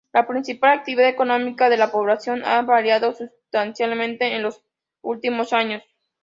La principal actividad económica de la población ha variado sustancialmente en los últimos años.